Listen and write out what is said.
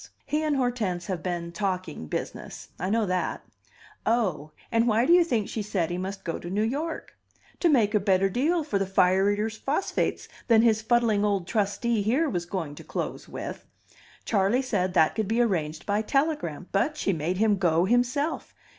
He and Hortense have been 'talking business'; I know that. Oh and why do you think she said he must go to New York? To make a better deal for the fire eater's phosphates than his fuddling old trustee here was going to close with. Charley said that could be arranged by telegram. But she made him go himself!